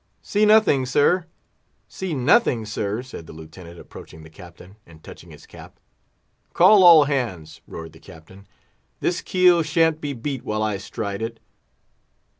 "See nothing, sir." "See nothing, sir," said the Lieutenant, approaching the Captain, and touching his cap. "Call all hands!" roared the Captain. "This keel sha'n't be beat while I stride it."